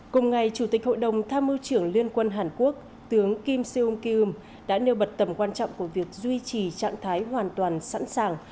cùng ngày chủ tịch hội đồng tham mưu trưởng liên quân hàn quốc tướng kim se ung ki um đã nêu bật tầm quan trọng của việc duy trì trạng thái hoàn toàn sẵn sàng